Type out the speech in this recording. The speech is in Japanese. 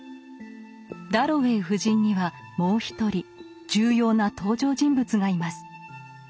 「ダロウェイ夫人」にはもう一人重要な登場人物がいます。